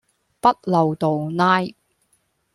北漏洞拉